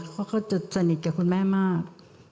เขาก็จะสนิทกับคุณแม่มาก